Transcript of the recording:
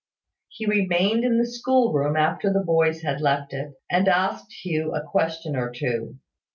He remained in the school room after the boys had left it, and asked Hugh a question or two.